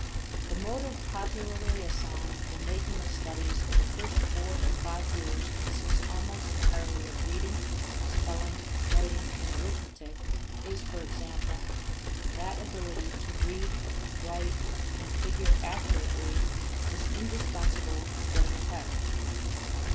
The motive popularly assigned for making the studies of the first four or five years consist almost entirely of reading, spelling, writing, and arithmetic, is, for example, that ability to read, write, and figure accurately is indispensable to getting ahead.